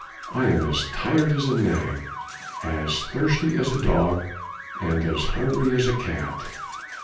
I am as tired as a nag, as thirsty as a dog and as hungry as a cat.